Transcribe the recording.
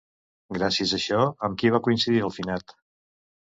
Gràcies a això, amb qui va coincidir el finat?